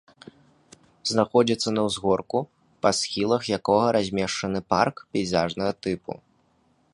Знаходзіцца на ўзгорку, па схілах якога размешчаны парк пейзажнага тыпу.